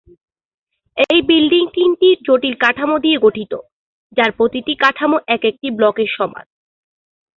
এই বিল্ডিংটি তিনটি জটিল কাঠামো দিয়ে গঠিত, যার প্রতিটি কাঠামো এক একটি ব্লকের সমান।